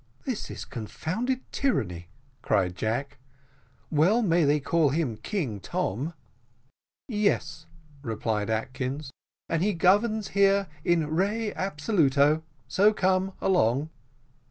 "This is confounded tyranny," cried Jack. "Well may they call him King Tom." "Yes," replied Atkins, "and he governs here in rey absoluto so come along."